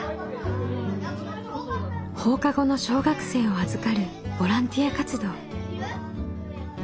放課後の小学生を預かるボランティア活動。